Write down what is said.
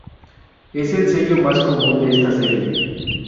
Es el sello más común de esta serie.